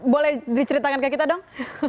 boleh diceritakan ke kita dong